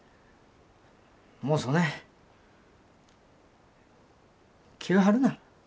もうそねん気を張るな。